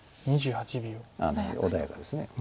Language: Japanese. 穏やかです。